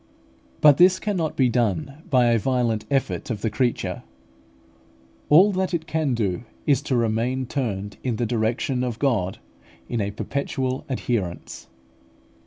But this cannot be done by a violent effort of the creature; all that it can do is to remain turned in the direction of God in a perpetual adherence.